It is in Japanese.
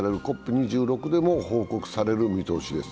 ２６でも報告される見通しです。